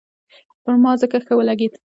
پر ما ځکه ښه ولګېد.